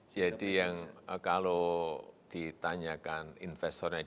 jadi yang kalau ditanyakan investornya itu